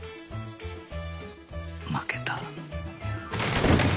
負けた